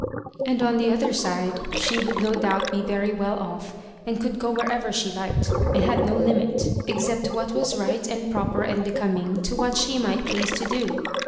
And on tlie other side she would no doubt be very well off, and cx>uld go wherever she liked, and had no limit, except what was right and proper and becoming, to what she might please to do.